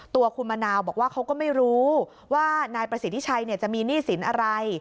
ตัวคุณมะนาวบอกว่าเขาก็ไม่รู้ว่านายประสิทธิชัยจะมีหนี้สินอะไร